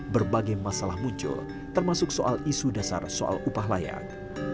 berbagai masalah muncul termasuk soal isu dasar soal upah layak